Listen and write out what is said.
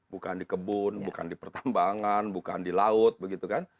bukan di kebun bukan di pertambangan bukan di laut begitu kan